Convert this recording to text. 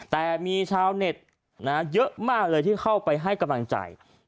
แต่มีชาวเน็ตเยอะมากเลยที่เข้าไปให้กำลังใจ